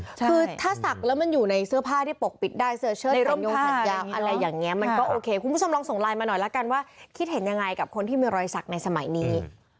คือถ้าศักดิ์แล้วมันอยู่ในเสื้อผ้าที่ปกปิดได้เสื้อเชิดในร่มยุงแขนยาวอะไรอย่างนี้มันก็โอเคคุณผู้ชมลองส่งไลน์มาหน่อยละกันว่าคิดเห็นยังไงกับคนที่มีรอยสักในสมัยนี้